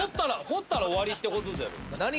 掘ったら終わりってこと。